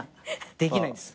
できないんです。